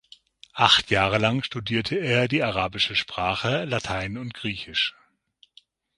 Acht Jahre lang studierte er die Arabische Sprache, Latein und Griechisch.